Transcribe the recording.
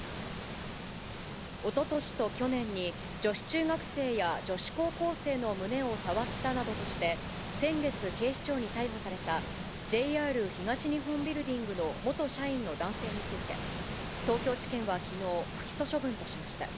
おととしと去年に、女子中学生や女子高校生の胸を触ったなどとして先月、警視庁に逮捕された、ＪＲ東日本ビルディングの元社員の男性について、東京地検はきのう、不起訴処分としました。